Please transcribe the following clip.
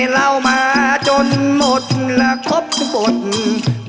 เรามาจนหมดและครบทุกบท